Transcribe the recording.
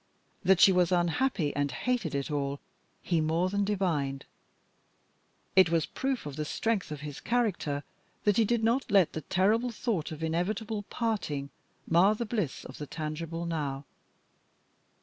That she was unhappy and hated it all, he more than divined. It was a proof of the strength of his character that he did not let the terrible thought of inevitable parting mar the bliss of the tangible now.